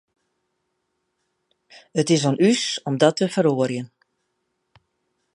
It is oan ús om dat te feroarjen.